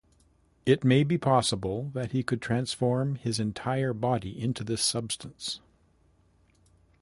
It may be possible that he could transform his entire body into this substance.